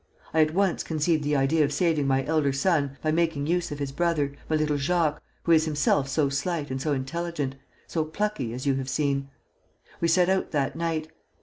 I at once conceived the idea of saving my elder son by making use of his brother, my little Jacques, who is himself so slight and so intelligent, so plucky, as you have seen. We set out that night.